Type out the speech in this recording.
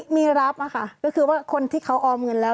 มีรับค่ะก็คือว่าคนที่เขาออมเงินแล้ว